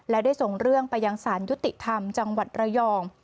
และได้ส่งเรื่องไปยังสารยุติธรรมจังหวัดระยอง